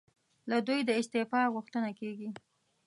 له دوی د استعفی غوښتنه کېږي.